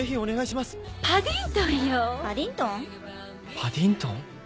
パディントン？